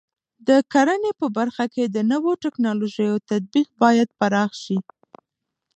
د کرنې په برخه کې د نوو ټکنالوژیو تطبیق باید پراخ شي.